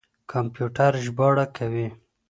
کمپيوټر ژباړه کوي.